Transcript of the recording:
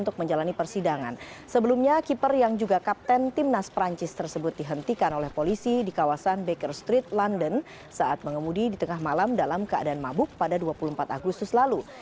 kisah tersebut dihentikan oleh polisi di kawasan baker street london saat mengemudi di tengah malam dalam keadaan mabuk pada dua puluh empat agustus lalu